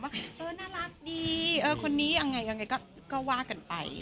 ว่าเออน่ารักดีคนนี้ยังไงก็ว่ากันไป